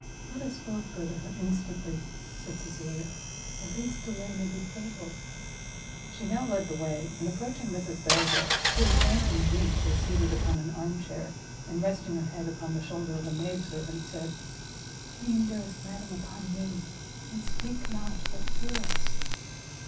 "Let us both go to her instantly," said Cecilia; "the least delay may be fatal." She now led the way, and approaching Mrs Delvile, who, faint and weak, was seated upon an arm chair, and resting her head upon the shoulder of a maid servant, said, "Lean, dearest madam, upon me, and speak not, but hear us!"